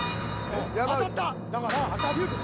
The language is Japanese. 当たった！